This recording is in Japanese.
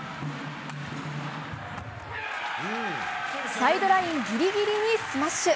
サイドラインギリギリにスマッシュ。